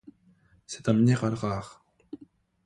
C'est un minéral rare.